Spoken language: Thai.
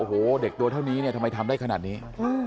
โอ้โหเด็กตัวเท่านี้เนี่ยทำไมทำได้ขนาดนี้